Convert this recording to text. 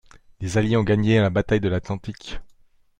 Les Alliés ont gagné la bataille de l'Atlantique.